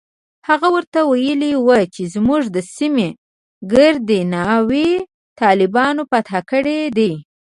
هغه ورته ويلي و چې زموږ د سيمې ګردې ناوې طالبانو فتح کړي دي.